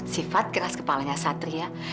sifat keras kepalanya satria